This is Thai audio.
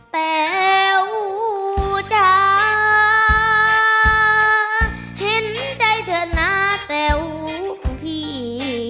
แต่ว่าจะเห็นใจเธอนะแต่ว่าพี่